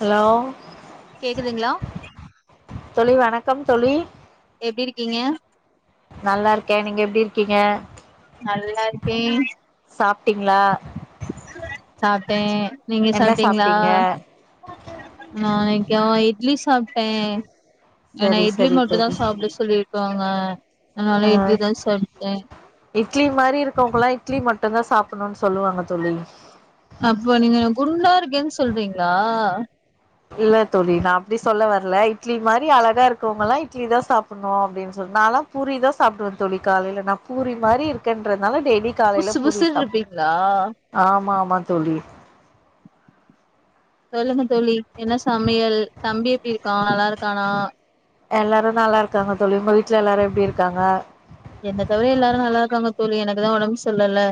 hello கேக்குதுங்ளா தோழி வணக்கம் தோழி எப்டி இருக்கீங்க நல்லாருக்கேன் நீங்க எப்டி இருக்கீங்க நல்லா இருக்கேன் சாப்பிட்டிங்ளா சாப்டேன் நீங்க என்ன சாப்டீங்களா சாப்ட்டீங்க நா இன்னைக்கு இட்லி சாப்பிட்டேன் என்ன சரி இட்லி சரி மட்டும் தோழி தான் சாப்பிட சொல்லிருக்காங்க ஆ அதனால இட்லி தான் சாப்டேன் இட்லி மாரி இருக்கவங்களாம் இட்லி மட்டும் தான் சாப்பிடணும்னு சொல்லுவாங்க தோழி அப்போ நீங்க குருண்டா இருக்கேன்னு சொல்றீங்களா இல்ல தோழி நான் அப்டி சொல்ல வரல இட்லி மாரி அழகா இருக்கவங்கலாம் இட்லி தான் சாப்டணும் அப்டின்னு சொன்நாளும் பூரிதான் சாப்டுவேன் தோழி காலையில நான் பூரி மாரி இருக்கென்றனால டெய்லி காலையில புசு பூரி புசுன்னு சாப்டுவே இருப்பீங்களா ஆமா ஆமா தோழி சொல்லுங்க தோழி என்ன சமையல் தம்பி எப்படி இருக்கான் நல்லா இருக்கானா எல்லாரும் நல்லா இருக்காங்க தோழி உங்க வீட்ல எல்லாரும் எப்டி இருக்காங்க என்ன தவிர எல்லாரும் நல்லா இருக்காங்க தோழி எனக்குதான் உடம்பு சரி இல்லல்ல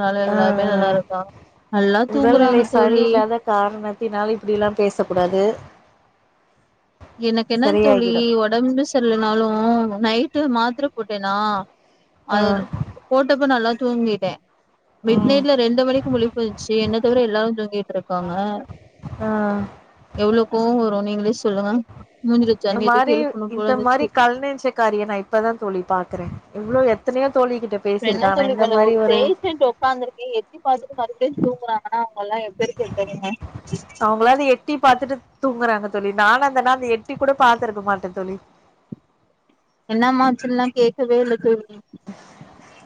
நாங்கள ஆ எல்லாமே நல்லா ஆ இருக்கோம் நல்லா தூங்குறாங்க தோழி காரணத்தினால இப்டியெல்லாம் பேசக்கூடாது எனக்கு என்ன தோழி சரியாகிடு உடம்பு சரிலனாலும் நைட்டு மாத்திர போட்டேனா ஆ அது போட்டப்ப நல்லா தூங்கிட்டேன் மிட் ம் நைட்ல ரெண்டு மணிக்கு முழிப்பு வந்துச்சு என்ன தவிர எல்லாரும் தூங்கிட்டு இருக்காங்க ஆ எவ்ளோ கோவம் வரும் நீங்களே சொல்லுங்க மூஞ்சில இந்த தண்ணிய தூக்கி மாரி எழுப்பணு போல இந்த இருந்துச்சு மாரி கல்நெஞ்சு காரிய நான் இப்பதான் தோழி பாக்குறேன் இவ்வளவு எத்தனையோ தோழிக்கிட்ட இப்ப என்ன சொல்லிட்டு வந்தே ஒரு பேஷண்ட் உக்காந்துருக்கே எட்டி பாத்துட்டு மறுபடியும் தூங்கறாங்கன்னா அவங்கலாம் எப்பேர் பட்டவங்க அவங்களாது எட்டி பாத்துட்டு தூங்குறாங்க தோழி நான இருந்தனா அந்த எட்டி கூட பாத்துருக்க மாட்டேன் தோழி என்னமா ஆச்சின்லா கேட்கவே இல்ல தோழி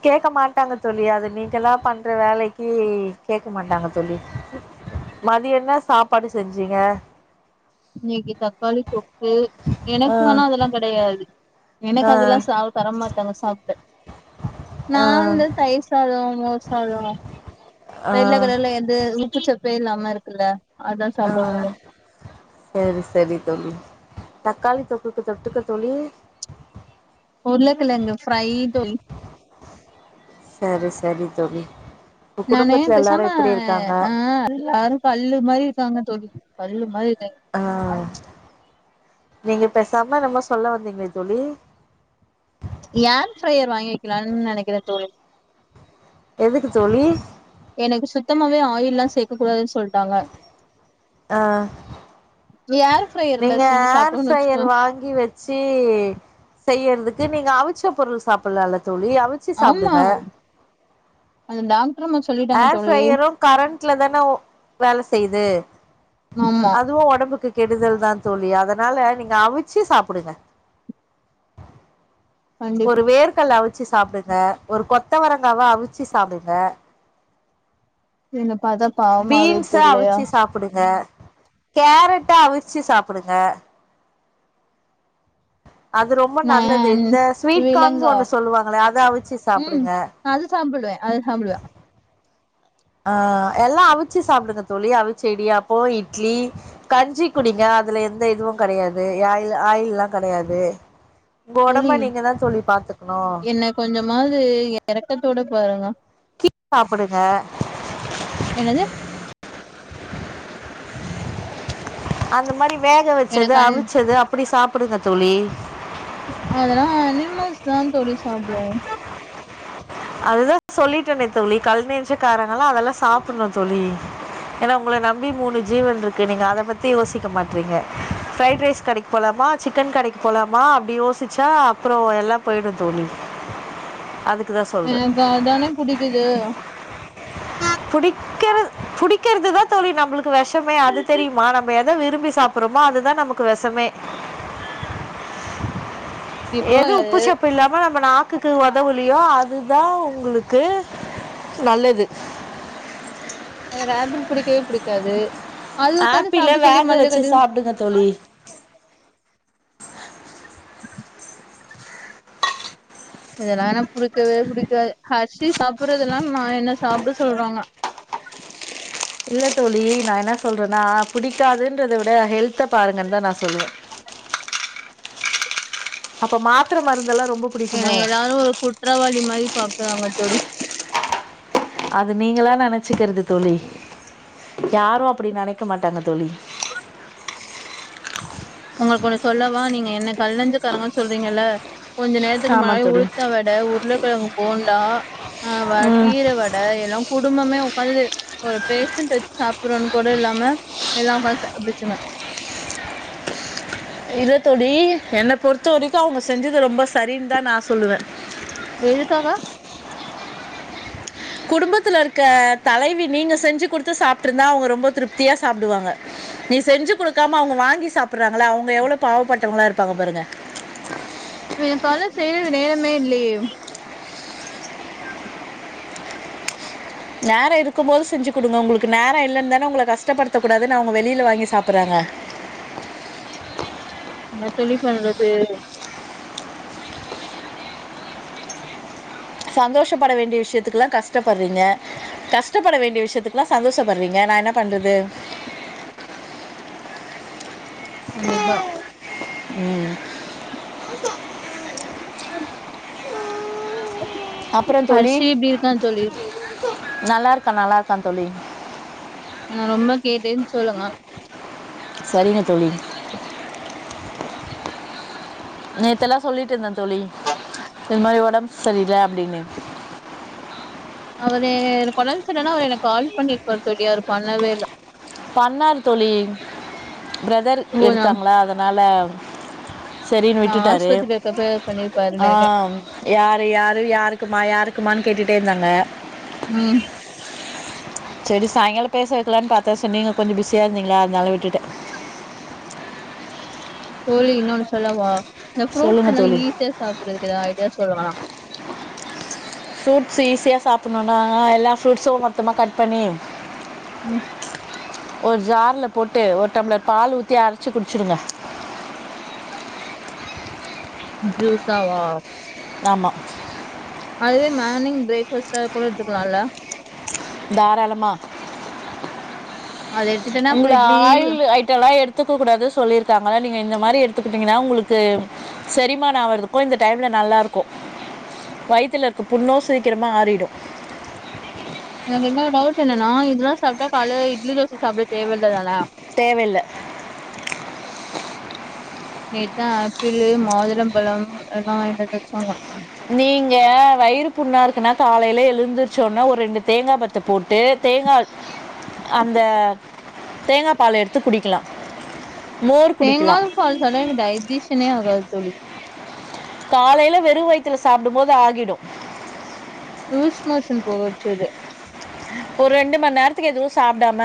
கேட்க மாட்டாங்க தோழி அது நீங்கல்லாம் பண்ற வேலைக்கு கேட்க மாட்டாங்க தோழி மதிய என்ன சாப்பாடு செஞ்சீங்க இன்னைக்கு தக்காளி தொக்கு ஆ எனக்கு ஆனா அதெல்லாம் கெடையாது ஆ எனக்கு அதெல்லாம் சாப் தர மாட்டாங்க சாப்ட ஆ நான் வந்து தயிர் சாதம் மோர் சாதம் வெள்ள ஆ கலர்ல எது உப்புச்சப்பே இல்லாம இருக்குல்ல அதா ஆ சாப்டுவாங்க செரி சரி தோழி தக்காளி தொக்குக்கு தொட்டுக்க தோழி உருளகிழங்கு ஃப்ரைடு சரி சரி தோழி உங்க நானு குடும்பத்துல எல்லாரு பேசமா எப்படி இருக்காங்க ஆ எல்லாரும் கல்லு மாரி இருக்காங்க தோழி கல்லு மாரி இருக்காங்க ஆ நீங்க பேசாம என்னமோ சொல்ல வந்தீங்க தோழி ஏர் ஃப்ரையர் வாங்கிகலான்னு நெனைக்கிறேன் தோழி எதுக்கு தோழி எனக்கு சுத்தமாவே ஆயில் எல்லாம் சேக்க கூடாதுன்னு சொல்ட்டாங்க ஆஹ் ஏர் ஃப்ரையர்ல நீங்க செஞ்சு ஏர் சாப்ட்டோன்னு ப்ரையர் வச்சுக்கோ வாங்கி வச் சி செய்யறதுக்கு நீங்க அவிச்ச பொருள் சாப்பில்லால தோழி அவி ஆமா அந் டாக்ட்ரம்மா ஏர் ஃப்ரையரு கரண்ட்ல தான ஒ வேல செய்யுது ஆமா அதுவு ஒடம்புக்கு கெடுதல் தான் தோழி அதனால நீங்க அவிச்சு சாப்புடுங்க கண்டிப்பா ஒரு வேர்கல்ல அவிச்சு சாப்டுங்க ஒரு கொத்தவரங்காவா அவிச்சு சாப்டுங்க என்ன பாத்தா பாவமாவே பீன்ஸ தெர்லையா அவிச்சு சாப்புடுங்க கேரட்ட அவிச்சு சாப்புடுங்க அது ரொம்ப நல்லது நான் இந்த ஸ்வீட் கான் விலங்கா ஒண்ணு சொல்லுவாங்களே அத அவிச்சு சாப்புடுங்க நா அது சாப்டுவே அது சாப்டுவே ஆ எல்லா அவிச்சு சாப்டுங்க தோழி அவிச்ச இடியாப்போ இட்லி கஞ்சி குடிங்க அதுல எந்த இதுவு கெடயாது ஆயில் ஆயில்லா கெடயாது உங்க ஒடம்ப நீங்கதா தோழி பாத்துக்ணு கொஞ்சமாது எறக்கத்தோட பாருங்க கீ சாப்புடுங்க என்னது அந்த மாரி வேக வெச்சது எனக்கு அன் அவிச்சது அப்பிடி சாப்புடுங்க தோழி அதெல்லா அனிமல்ஸ் தா தோழி சாப்டு அதுதா சொல்லிட்டேனே தோழி கல்நெஞ்சக்காரங்கல்லா அதெல்லா சாப்புண்ணு தோழி ஏனா உங்கள நம்பி மூணு ஜீவன்ட்ருக்கு நீங்க அத பத்தி யோசிக்க மாட்றீங்க ஃப்ரைட் ரைஸ் கடைக் போலாமா சிக்கன் கடைக்கு போலாமா அப்டி யோசிச்சா அப்றோ எல்லா போய்டு தோழி அதுக்குதா சொ ஆ இப்ப அதானே புடிக்குது புடிக் கிறத் புடிக்கிறதுதா தோழி நம்பளுக்கு வெஷமே அது தெரியுமா நம்ம எத விரும்பி சாப் புறமோ அதுதா நமக்கு வெசமே இப்போ எது உப்பு சப்பு இல்லாம நம்ம நாக்குக்கு ஒதவுலியோ அ துதா உங்களுக்கு நல்லது எனக்கு ஆப்பிள் பிடிக்கவே பிடிக்காது அது உக்காந்து சாப்ட சொல்லி மல்லு கட்டுறா சாப்டுங்க தோழி இதெல்லா என்க் புடிக்கவே புடிக்காது ஹர்ஷி சாப்புறதெல்லா நா என்ன சாப்ட சொல்றாங்க இல்ல தோழி நா என்ன சொல்றேன்னா புடிக்காதுன்றத விட ஹெல்த பாருங்கன்தா நா சொல்லுவே அப்ப மாத்தர மருந்தெல்லா ரொம்போ என்ன எல்லாரு ஒரு குற்றவாளி மாரி பாக்குறாங்க தோழி அது நீங்களா நெனச்சிக்கிறது தோழி யாரு அப்டி நெனைக்க மாட்டாங்க தோழி உங்களுக் ஒன்னு சொல்லவா நீங்க என்ன கல்நெஞ்சுக்காரோங்கன் சொல்றீங்கல்ல கொஞ்ச நேரத்துக்கு ஆமா முன்னாடி தோழி உளுத்த வட உருளக்கெழங்கு போண்டா ஆ வ ம் கீர வ ட எல்லா குடும்பமே உக்காந்து ஒரு பேஷன்ட் வெச்சு சாப்புறோனு கூட இல்லாம எல்லா உக்காந் சாப்ட்டுச்சுங்க இல்ல தோழி என்ன பொறுத்த வரிக்கு அவுங்க செஞ்சது ரொம்ப சரின்தா நா சொல்லுவே எதுக்காக குடும்பத்துல இருக்க தலைவி நீங்க செஞ்சு குடுத்து சாப்ட்டுருந்தா அவுங்க ரொம்ப திருப்தியா சாப்டுவாங்க நீ செஞ்சு குடுக்காம அவுங்க வாங்கி சாப்புறாங்கள அவுங்க எவ்ளோ பாவப்பட்டவங்ளா இருப்பாங்க பாருங்க விடியக்கால்ல செய்றது நேரமே இல்லையே நேரோ இருக்கும்போது செஞ்சு குடுங்க ஒங்ளுக்கு நேரோ இல்லன் தானே ஒங்கள கஷ்டப்படுத்தக்கூடாதுனு அவுங்க வெளில வாங்கி சாப்புறாங்க என்ன தோழி பண்றது சந்தோஷப்பட வேண்டிய விஷயத்துக்குல்லா கஷ்டப்படுறீங்க கஷ்டப்பட வேண்டிய விஷயத்துக்குல்லா சந்தோஷப்படுறீங்க நா என்ன பண்றது கண்டிப்பா ம் ம் அப்பறோ தோழி ஹர்ஷி எப்டி இருக்கா தோழி நல்லாருக்கா நல்லாக்கா தோழி நா ரொம்ப கேட்டேன்னு சொல்லுங்க சரிங்க தோழி நேத்தெல்லா சொல்லிட்டு இருந்தே தோழி இது மாரி ஒடம் சரியில்ல அப்டின்னு அவரு எனக்கு ஒடம் சரியில்லன்னா அவரு எனக் கால் பண்ணிருப்பாரு தோழி அவரு பண்ணவே இல்ல பண்ணாரு தோழி பிரதர் ஓ நா எடுத்தாங்களா அதனால செரின்னு விட்டுட்டாரு ஆஸ்பத்திரில இருக்கப்ப பண்ணிருப்பாருன்னு ஆ நெனைக்கிறே யாரு யாரு யாருக்குமா யாருக்குமானு கேட்டுட்டே இருந்தாங்க ம் செரி சாய்ங்காலம் பேச வைக்கலான்னு பாத்தே சோ நீங்க கொஞ்சோம் பிஸியா இருந்தீங்களா அதனால விட்டுட்டே தோழி இன்னொன்னு சொல்லவா இந்த ஃப்ரூட்ஸ் சொல்லுங்கள் எல்லா தோழி ஈஸியா சாப்புடுறதுக்கு எதாது ஐடியா சொல்லவா ஃப்ரூட்ஸ்ஸு ஈஸியா சாப்புணுன்னா எல்லா ஃப்ரூட்ஸு மொத்தமா கட் பண்ணி ம் ஒரு ஜார்ல போட்டு ஒரு டம்ளர் பால் ஊத்தி அரச்சு குடிச்சுடுங்க ஜூஸாவா ஆமா அதுவே மார்னிங் பிரேக்ஃபாஸ்ட்டா கூட எடுத்துக்கலால தாராளமா அதே உங்கள ஆயிலு ஐட் ட்டல்லா எடுத்துக்க கூடாது சொல்லிருக்காங்கள நீங்க இந்த மாரி எடுத்துக்குட்டீங்கன்னா உங்களுக்கு செரிமான ஆவுறதுக்கு இந்த டைம்ல நல்லாருக்கூ வய்த்துல இருக்கு புண்ணு சீக்கிரமா ஆறிடு எனக்கு இன்னொரு டவுட் என்னன்னா இதெல்லா சாப்ட்டா காலைல இட்லி தோச சாப்ட தேவயில்லதான தேவயில்ல நேத்தா ஆப்பிளு மாதுளம்பழம் எல்லா வாய்ண்டு வந்து வச்சாங்க நீங்க வயிறு புண்ணா இருக்குன்னா காலைல எழுந்திருச்சோனே ஒரு ரெண்டு தேங்கா பர் த்த போட்டு தேங்கா அந்த தேங்கா பால் எடுத்து குடிக்கலா தேங்காபால் செல டைமு டைஜிஷனே ஆகாது தோழி காலைல வெறு வயித்துல சாப்டும் போது ஆகிடு லூஸ் மோசன் போக வச்சிர்று ஒ ரெண்டு மண் நேரத்துக்கு எதுவு சாப்டாம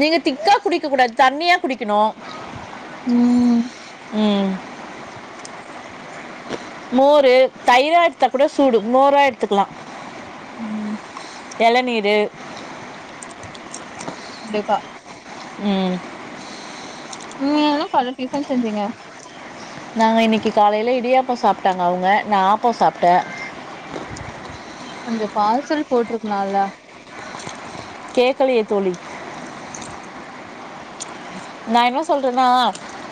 நீங்க திக்கா குடிக்க கூடாது தண்ணியா குடிக்கணு ம் ம் மோரு தயிரா எடுத்தா கூட சூடு மோரா எடுத்துக்கலா ம் ம் எளநீரு இந்தப்ப ம் நீங்க என்ன கால்ல டிஃபன் செஞ்சீங்க நாங்க இன்னைக்கி காலைல இடியாப்ப சாப்ட்டாங்க அவ்ங்க நா ஆப்ப சாப்ட்ட கொஞ்சோ பார்சல் போட்ருக்லால்ல கேக்கலயே தோழி நா என்ன சொல்றன்னா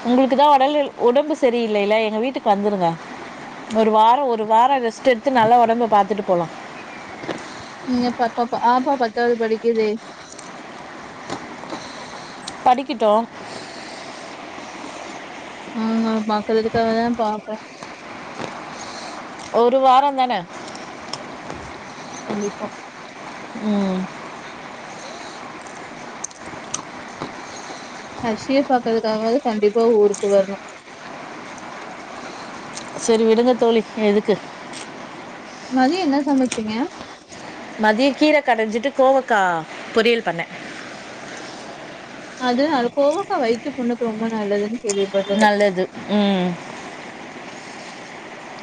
உங்களுக்கு தா உடல்நில் ஒடம்பு சரியில்லைல எங்க வீட்டுக்கு வந்துருங்க ஒரு வார ஒரு வார ரெஸ்ட் எடுத்து நல்லா உடம்ப பாத்துட்டு போலா நீங்க பப்ப பா ஆப்பா பத்தாது படிக்குது படிக்கிட்டு ம் அ பாக்குறதுக்காகதா பார்க்க ஒரு வாரந்தான கண்டிப்பா ம் ஹர்சிய பாக்கறதுக்காகவாது கண்டிப்பா ஊருக்கு வர்ணு செரி விடுங்க தோழி எதுக்கு மதியோ என்ன சமச்சீங்க மதியோ கீர கடஞ்சிட்டு கோவக்கா பொரியல் பண்ண அது அது கோவக்கா வயித்து புண்ணுக்கு ரொம்ப நல்லதுன் நல்லது ம்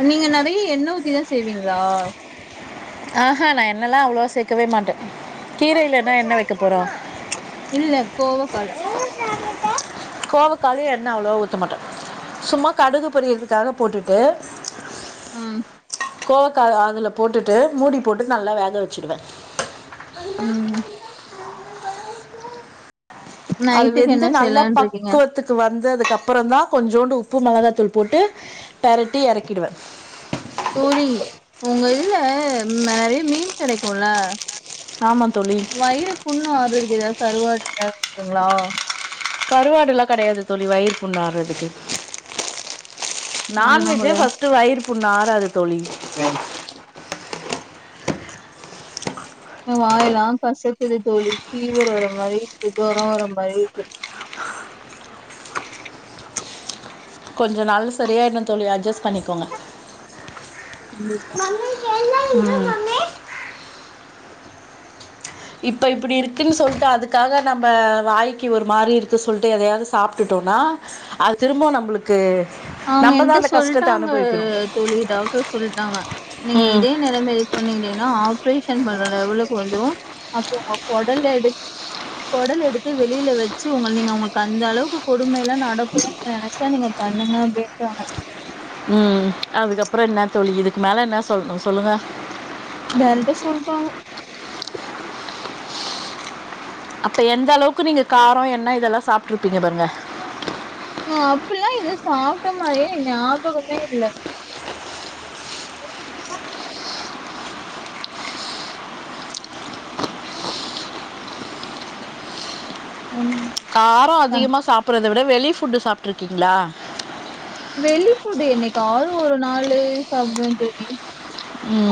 நீங்க நெறய எண்ணெ ஊத்திதா செய்வீங்ளா அ ஹ நா எண்ணெல்லா அவ்ளோவா சேக்கவே மாட்ட கீரயிலனா என்ன வைக்க போறோ இல்ல கோவக்கால கோவக்காலயு எண்ணெ அவ்ளோவா ஊத்த மாட்ட சும்மா கடுகு பொரியறதுக்காக போட்டுட்டு ம் கோவக்கா அதுல போட்டுட்டு மூடி போட்டுட்டு நல்லா வேக வச்சுடுவ ம் அது நைட்டுக்கு என்ன வெந்து நல்லா செய்யலான்னு இருக்கீங்க பக்குவத் துக்கு வந்ததுக்கப்பறந்தா கொஞ்சோண்டு உப்பு மெளகாத்தூள் போட்டு பெரட்டி எறக்கிடுவ தோழி உங்க இதுல நெறய மீன் கெடைக்குல ஆமா தோழி வயிறு புண்ணு ஆறதுக்கு கருவாடு எதாது இருக்குங்ளா கருவாடுல்லா கெடையாது தோழி வயிறு புண்ணாறதுக்கு அதெல்லா நான்வெஜ்ஜே ஃபர்ஸ்ட்டு வயிறு புண் ஆறாது தோழி வேலு எ வாயெல்லா கசக்குது தோழி ஃபீவர் வர மாரி இருக்கு ஜொரோ வர மாரி இருக்கு கொஞ்ச நாள்ல சரியாய்டு தோழி அட்ஜஸ் பண்ணிக்கோங்க கண்டிப்பா ம் இப்போ இப்பிடி இருக்குன் சொல்ட்டு அதுக்காக நம்ம வாய்க்கு ஒரு மாரி இருக்கு சொல்ட்டு எதையாவது சாப்ட்டுட்டோனா அது திரும்போ நம்ளுக்கு அவங்க என்ட்ட நம்பதா அந்த கஷ்டத்த சொல்ட்டாங்க அனுபவிக்கணு தோழி டாக்டர் சொல்ட்டாங்க நீங்க ம் இதே நெலம இது பண்ணிந்தீங்னா ஆப்ரேஷன் பண்ற லெவலக்கு வந்துரு அப்போ உங்க கொடல் வெடுச் கொடல் எடுத்து வெளில வெச்சு உங்கள் நீங்க அவ்ங்களுக்கு அந்த அளவுக்கு கொடுமை எல்லா நடக்குத நனச்சா நீங்க பண்ணுங்க அப்டின்டாங்க ம் அதுக்கப்பறோ என்ன தோழி இதுக்கு மேல என்ன சொல்ணு சொல்லுங்க டேரக்டா சொல்பாங்க அப்ப எந்த அளவுக்கு நீங்க காரோ எண்ண இதெல்லா சாப்ட்ருப்பீங்க பாருங்க நா அப்பெல்லா எது சாப்ட்ட மாரியே எ ஞாபகமே இல்ல ம் காரோ அதிகமா சாப்பட்றத விட வெளி ஃபுட்டு் சாப்ட்ருக்கீங்ளா வெளி ஃபுட்டு என்னெக்காவ்து ஒரு நாளு சாப்டுவே தோழி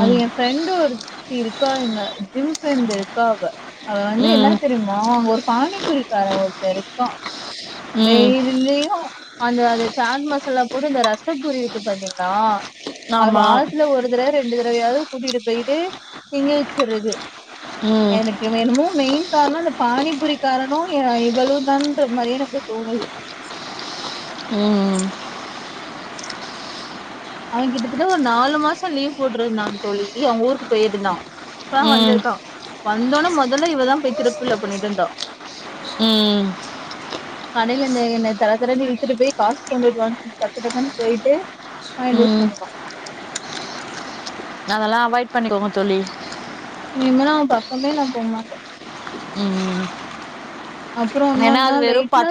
அது ஏ ஃப்ரெண்டு ஒருத்தி இருக்காங்க ஜிம் ஃப்ரெண்டு இருக்கா அவ அவ வந்து என்ன ம் தெரிம் மா அங்க ஒரு பானிபூரி கார ஒருத்த இருக்கா ம் டெய்லியு அந்த அது சேட் மசாலா போட்டு அந்த ரசப்பூரி இருக்கு பாத்தீங்ளா அது ஆமா வாரத்துல ஒரு தடவ ரெண்டு தடவயாது கூட்டிட்டு போய்ட்டு திங்க வெச்சற்றது ம் எனக் இவுங்க என்னமோ மெய்ன் கார்ணோ அந்த பானிபூரிகாரனு ஏ ஏ இவளுதான்ற மாரியே எனக்கு தோணுது ம் ம் அவன் கிட்டத்தட்ட ஒரு நாலு மாசோ லீவ் போட்ருந்தா தோழி அவ்ங்க ஊருக்கு போய்ருந்தா இப்ப தா ம் வந்திருக்கா வந்தொனே மொதல்ல இவதா போய் திருப்புல பண்ணிட்டு இருந்தா ம் கடைல இந்த என்ன தர தரன்னு இழுத்துட்டு போய் காஸ் கொண்ட்டுவான் டக்கு டக்குன்னு போய்ட்டு ஃப்வைனல்ஸ் ம் ஒன்னுதா அதெல்லா அவாய்ட் பண்ணிக்கோங்க தோழி இன்னிமேலு அவன் பக்கமே நா போ மாட்ட ம் ம் அப்பறோ இன்னொன்னு வெய்ட்லா